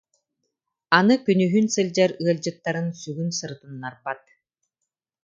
Аны күнүһүн сылдьар ыалдьыттарын сүгүн сырытыннарбат